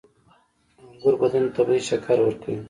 • انګور بدن ته طبیعي شکر ورکوي.